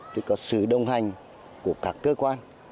thì có sự đồng hành của các cơ quan